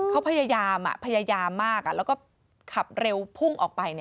เขาพยายามพยายามมากแล้วก็ขับเร็วพุ่งออกไป